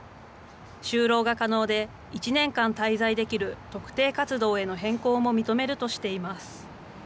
就労が可能で、１年間滞在できる特定活動への変更も認めるとしています。